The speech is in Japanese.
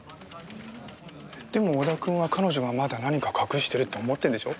でも織田君は彼女がまだ何か隠してるって思ってるんでしょ？